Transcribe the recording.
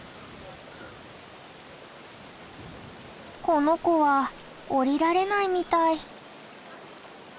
この子は下りられないみたい。